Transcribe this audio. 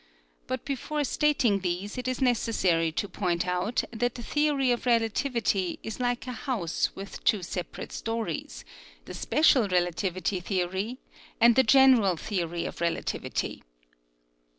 But before stating these it is necessary to point out that the theory of relativity is like a house with two separate stories, the special relativity theory and the general theory of relativity.